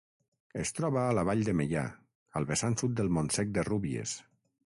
Es troba a la vall de Meià, al vessant sud del Montsec de Rúbies.